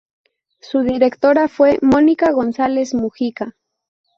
Su directora fue Mónica González Mujica.